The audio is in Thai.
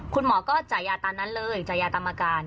คุณหมอก็จ่ายยาตามนั้นเลยจ่ายยาตามอาการ